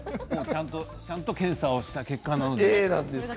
ちゃんと検査した結果ですね。